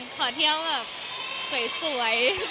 ขอเที่ยวแบบสวย